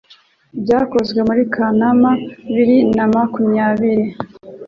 bwakozwe muri Kanama bibir na makumyabiri